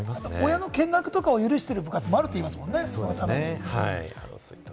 親の見学を許している部活もあるといいますもんね。